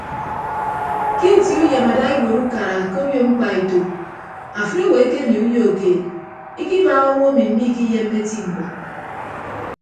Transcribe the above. Ke itie uyem ada iwuot ukara ke obio mkpaeto afịt owo ekenie uyo keed ikibaaha owo emi miikiyemme eti mkpọ.